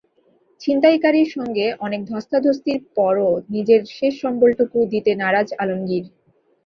ছিনতাইকারীর সঙ্গে অনেক ধস্তাধস্তির পরও নিজের শেষ সম্বলটুকু দিতে নারাজ আলমগীর।